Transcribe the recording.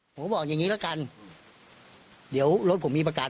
ผมก็บอกอย่างงี้ละกันเดี๋ยวรถผมมีประกาศ